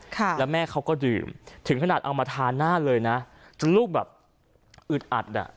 ค่ะแล้วแม่เขาก็ดื่มถึงขนาดเอามาทาหน้าเลยนะจนลูกแบบอึดอัดอ่ะ